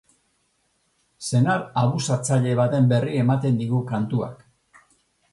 Senar abusatzaile baten berri ematen digu kantuak.